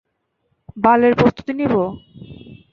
বালের প্রস্তুতি নেবো!